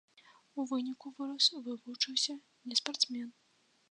У выніку вырас, вывучыўся, не спартсмен.